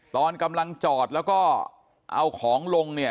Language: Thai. ตอนกำลังจอดแล้วก็เอาของลงเนี่ย